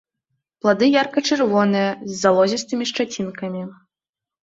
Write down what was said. Плады ярка-чырвоныя, з залозістымі шчацінкамі.